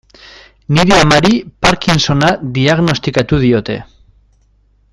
Nire amari Parkinsona diagnostikatu diote.